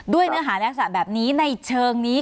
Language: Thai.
ด้วยเนื้อหาแบบนี้ในเชิงนี้